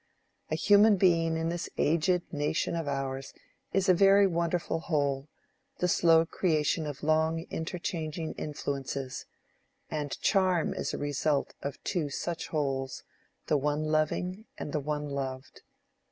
A human being in this aged nation of ours is a very wonderful whole, the slow creation of long interchanging influences: and charm is a result of two such wholes, the one loving and the one loved.